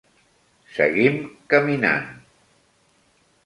Seguim caminant.